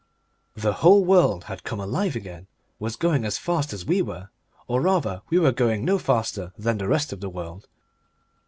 The whole world had come alive again, was going as fast as we were, or rather we were going no faster than the rest of the world.